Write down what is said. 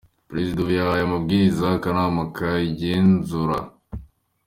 Perezida ubu yahaye amabwiriza akanama kayigenzura".